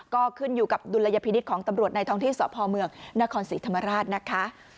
ก็ขึ้นอยู่กับดุลยพินิษฐ์ของตำรวจในท้องที่สพเมืองนครศรีธรรมราชนะคะ